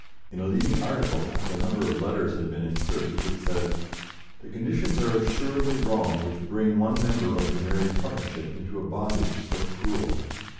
In a leading article, after a number of letters had been inserted, it said: "The conditions are assuredly wrong which bring one member of the married partnership into a bondage so cruel.